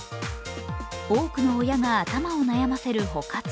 多くの親が頭を悩ませる保活。